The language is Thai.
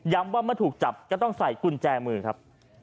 ว่าเมื่อถูกจับก็ต้องใส่กุญแจมือครับ